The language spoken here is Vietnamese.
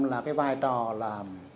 là cái vai trò là